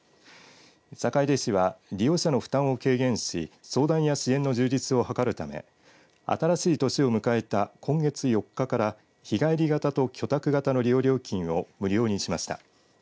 坂出市は利用者の負担を軽減し相談や支援の充実を図るため新しい年を迎えた今月４日から日帰り型と居宅型の利用料金を無料にしました。